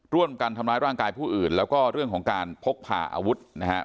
ร่วมกันทำร้ายร่างกายผู้อื่นแล้วก็เรื่องของการพกพาอาวุธนะครับ